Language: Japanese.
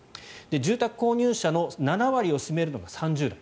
住宅購入者の７割を占めるのが３０代。